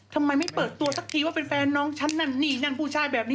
ทำไมไม่เปิดตัวสักทีว่าเป็นแฟนน้องฉันนั่นนี่นั่นผู้ชายแบบนี้